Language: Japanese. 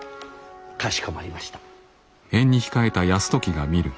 かしこまりました。